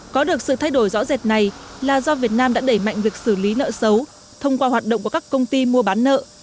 có được sự thay đổi rõ rệt này là do việt nam đã đẩy mạnh việc xử lý nợ xấu thông qua hoạt động của các công ty mua bán nợ